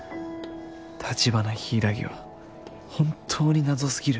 橘柊は本当に謎過ぎる